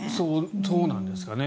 そうなんですかね。